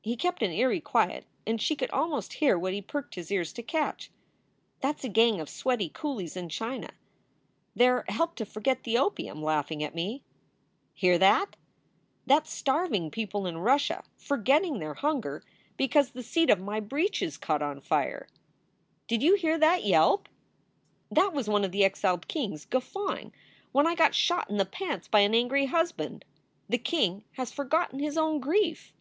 He kept an eerie quiet and she could almost hear what he perked his ears to catch. "That s a gang of sweaty coolies in China. They re helped to forget the opium, laughing at me. Hear that! That s starving people in Russia forgetting their hunger because the seat 344 SOULS FOR SALE of my breeches caught on fire. Did you hear that yelp? That was one of the exiled kings guffawing when I got shot in the pants by an angry husband. The king has forgotten his own grief."